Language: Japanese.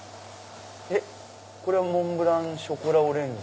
これはモンブランショコラオレンジ。